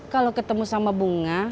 kalau ketemu sama bunga